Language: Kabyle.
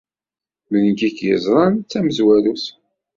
D nekk ay ken-yeẓran d tamezwarut.